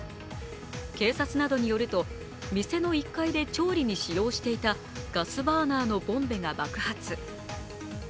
警察などによると店の１階で調理に使用していたガスバーナーのボンベが爆発。